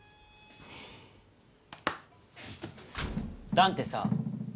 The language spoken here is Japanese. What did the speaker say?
弾ってさ